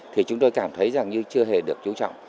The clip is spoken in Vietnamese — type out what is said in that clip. thì chúng tôi cảm thấy rằng như chưa hề được chú trọng